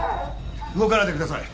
動かないでください。